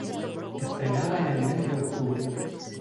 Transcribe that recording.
Estrenada en el mes de octubre.